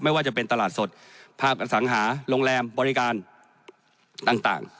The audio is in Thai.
ไม่ว่าจะเป็นตลาดสดภาพอสังหาโรงแรมบริการต่าง